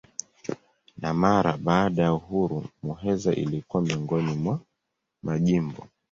Na mara baada ya uhuru Muheza ilikuwa miongoni mwa majimbo.